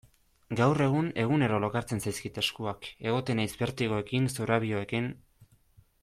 Gaur egun egunero lokartzen zaizkit eskuak, egoten naiz bertigoekin, zorabioekin...